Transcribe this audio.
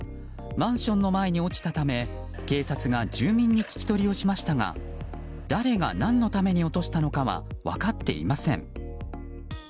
マンションの前に落ちたため警察が住民に聞き取りをしましたが誰が何のために落としたのかは分かっていません。